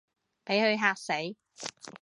畀佢嚇死